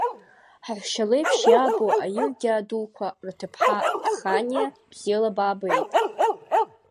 Ҳаҳәшьа леиԥш иаабо Аиргьаа дуқәа рҭыԥҳа ханиа, бзиала баабеит!